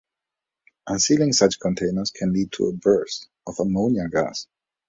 Unsealing such containers can lead to a burst of ammonia gas.